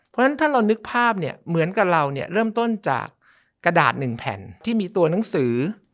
เพราะฉะนั้นถ้าเรานึกภาพเนี่ยเหมือนกับเราเนี่ยเริ่มต้นจากกระดาษหนึ่งแผ่นที่มีตัวหนังสือ